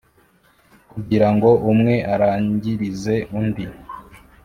kugirango umwe arangirize undi